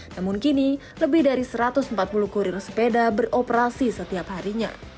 namun kini lebih dari satu ratus empat puluh kurir sepeda beroperasi setiap harinya